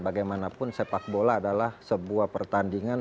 bagaimanapun sepak bola adalah sebuah pertandingan